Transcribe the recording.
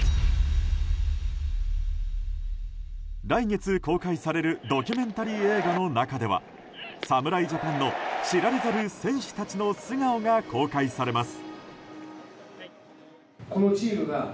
来月公開されるドキュメンタリー映画の中では侍ジャパンの知られざる選手たちの素顔が公開されます。